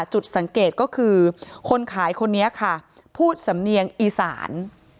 จุดสังเกตก็คือคนขายคนนี้ค่ะพูดสำเนียงอีสาน